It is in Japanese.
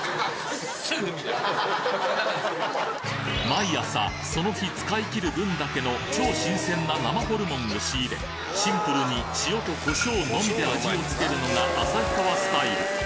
毎朝その日使い切る分だけの超新鮮な生ホルモンを仕入れシンプルに塩とコショウのみで味をつけるのが旭川スタイル！